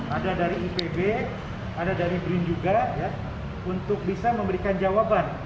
ada dari ipb ada dari brin juga untuk bisa memberikan jawaban